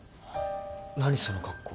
何その格好。